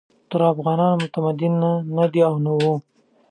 تر افغانانو متمدن نه دي او نه وو.